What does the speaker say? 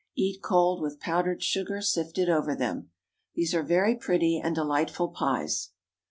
Eat cold, with powdered sugar sifted over them. These are very pretty and delightful pies.